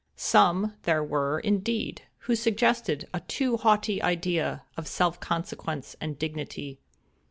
Some there were, indeed, who suggested a too haughty idea of self consequence and dignity.